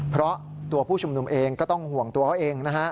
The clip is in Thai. เพราะตัวผู้ชุมนุมเองก็ต้องห่วงตัวเขาเองนะฮะ